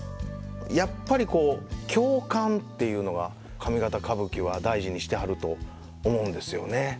やっぱりこう共感っていうのは上方歌舞伎は大事にしてはると思うんですよね。